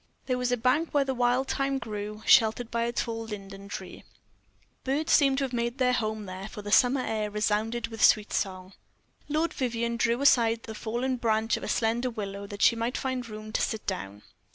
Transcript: There was a bank where the wild thyme grew, sheltered by a tall linden tree. The birds seemed to have made their home there, for the summer air resounded with sweet song. Lord Vivianne drew aside the fallen branch of a slender willow, that she might find room to sit down.